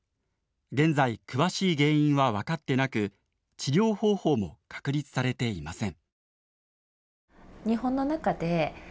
現在詳しい原因は分かってなく治療方法も確立されていません。